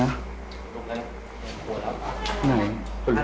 อะไรนะ